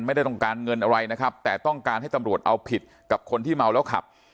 ไม่ได้ต้องการเงินอะไรนะครับแต่ต้องการให้ตำรวจเอาผิดกับคนที่เมาแล้วขับ